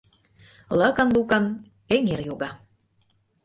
Лыкын-лукын эҥер йога